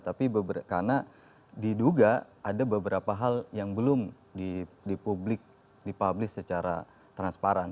tapi karena diduga ada beberapa hal yang belum dipublis secara transparan